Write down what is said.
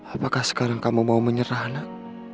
apakah sekarang kamu mau menyerah anak